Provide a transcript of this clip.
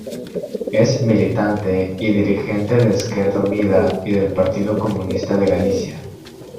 Es militante y dirigente de Esquerda Unida y del Partido Comunista de Galicia.